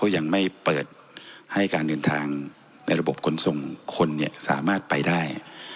ยังไม่เปิดให้การเดินทางในระบบขนส่งคนสามารถไปได้